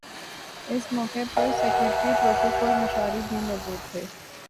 اس موقع پر secretary protocol Mishari بھی موجود تھے